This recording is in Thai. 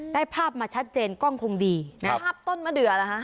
ได้ภาพมาชัดเจนก็คงดีนะครับภาพต้นมะเดือยักษ์ล่ะฮะ